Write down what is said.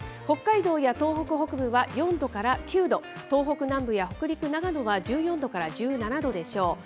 北海道や東北北部は４度から９度、東北南部や北陸、長野は１４度から１７度でしょう。